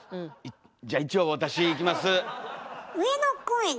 じゃ一応私いきます。